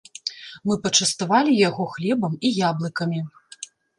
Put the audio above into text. Мы пачаставалі яго хлебам і яблыкамі.